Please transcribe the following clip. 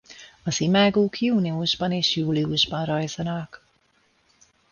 Az imágók júniusban és júliusban rajzanak.